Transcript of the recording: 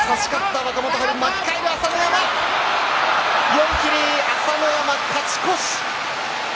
寄り切り、朝乃山勝ち越し。